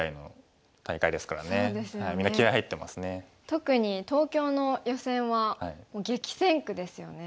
特に東京の予選は激戦区ですよね。